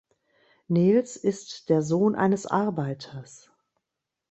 Nehls ist der Sohn eines Arbeiters.